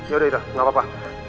yaudah yaudah nggak apa apa